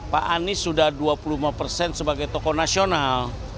pak anies sudah dua puluh lima persen sebagai tokoh nasional